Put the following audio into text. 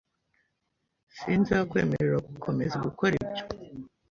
Sinzakwemerera gukomeza gukora ibyo.